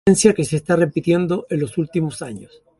Ocurrencia que se está repitiendo en los últimos años.